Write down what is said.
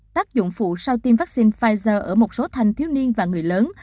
tác dụng phụ sau tiêm vaccine pfizer ở một số thanh thiếu niên và người lớn